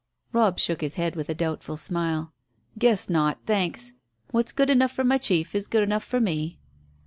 Robb shook his head with a doubtful smile. "Guess not, thanks. What's good enough for my chief is good enough for me."